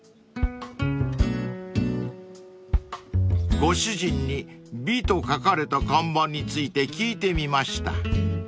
［ご主人に「美」と書かれた看板について聞いてみました］